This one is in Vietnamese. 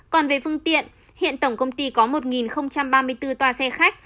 còn về phương tiện hiện tổng công ty có một ba mươi bốn toa xe khách